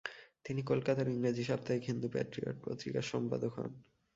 তিনি কলকাতার ইংরাজী সাপ্তাহিক হিন্দু প্যাট্রিয়ট পত্রিকার সম্পাদক হন।